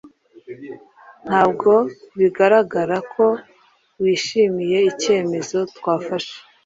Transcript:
Ntabwo bigaragara ko wishimiye icyemezo twafashe